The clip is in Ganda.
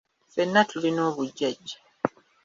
Ffenna tulina obujjajja.